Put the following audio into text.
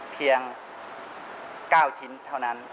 เพียง๙ชิ้นเท่านั้น